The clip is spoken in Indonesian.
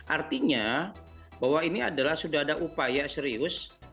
artinya bahwa ini adalah sudah ada upaya serius